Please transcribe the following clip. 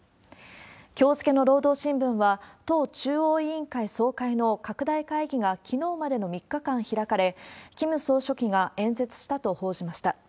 きょう付けの労働新聞は、党中央委員会総会の拡大会議がきのうまでの３日間開かれ、キム総書記が演説したと報じました。